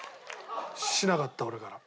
しなかった俺から。